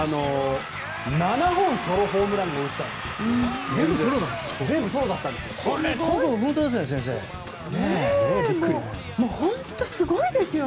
７本ソロホームランを打ったんですよ。